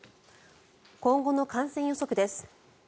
今後の感染予測です。